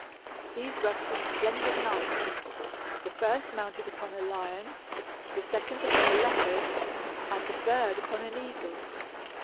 These were three splendid knights, the first mounted upon a lion, the second upon a leopard, and the third upon an eagle.